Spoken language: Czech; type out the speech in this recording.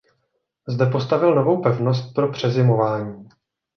Zde postavil novou pevnost pro přezimování.